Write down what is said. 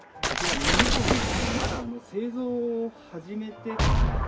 こちらニコンがですねまだ製造を始めてから。